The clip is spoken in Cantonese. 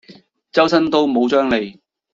周身刀冇張利